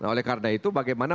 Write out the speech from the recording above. oleh karena itu bagaimana